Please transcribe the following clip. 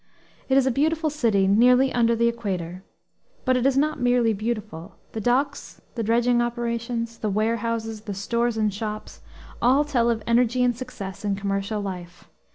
It is a beautiful city, nearly under the equator. But it is not merely beautiful. The docks, the dredging operations, the warehouses, the stores and shops, all tell of energy and success in commercial life.